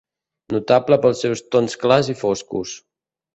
Notable pels seus tons clars i foscos.